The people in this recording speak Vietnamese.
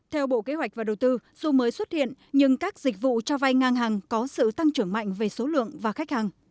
theo bộ kế hoạch và đầu tư dù mới xuất hiện nhưng các dịch vụ cho vay ngang hàng có sự tăng trưởng mạnh về số lượng và khách hàng